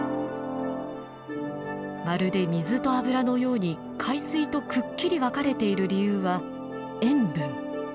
まるで水と油のように海水とくっきり分かれている理由は塩分。